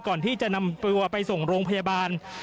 ก่อนที่จะนำตัวไปส่งโรงพยาบาล